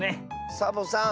サボさん